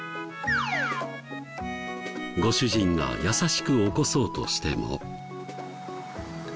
ご主人が優しく起こそうとしても。